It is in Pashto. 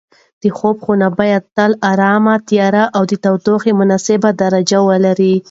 د خوب خونه باید تل ارامه، تیاره او د تودوخې مناسبه درجه ولري.